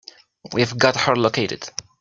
We've got her located.